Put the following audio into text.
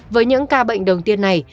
với những ca bệnh đầu tiên này